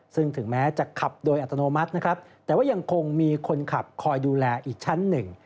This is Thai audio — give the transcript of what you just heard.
ซึ่งถึงแม้จะขับโดยอัตโนมัตินะครับแต่ว่ายังคงมีคนขับคอยดูแลอีกชั้นหนึ่ง